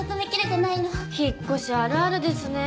引っ越しあるあるですね。